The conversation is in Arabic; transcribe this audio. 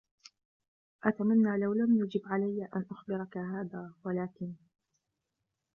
أتمنى لو لم يجب عليّ أن أخبرك هذا ، ولكن...